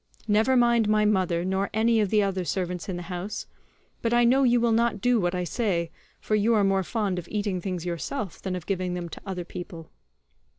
Never mind my mother, nor any of the other servants in the house; but I know you will not do what I say, for you are more fond of eating things yourself than of giving them to other people."